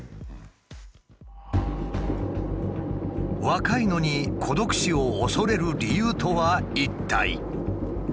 若いのに孤独死を恐れる理由とは一体？